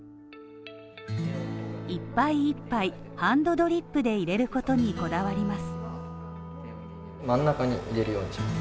一杯一杯ハンドドリップで入れることにこだわります。